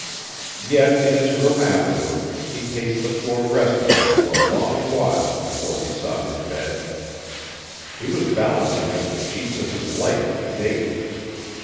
Yet in his room afterward he paced the floor restively for a long while before he sought his bed. He was balancing up the sheets of his life to date.